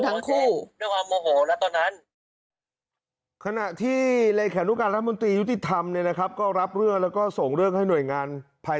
แต่ไม่ได้มีเจตนาที่จะทำให้มันถึงขนาดนี้